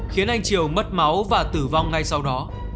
khiến anh triều mất máu và tử vong ngay sau đó